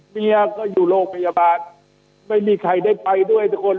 เมียก็อยู่โรงพยาบาลไม่มีใครได้ไปด้วยทุกคน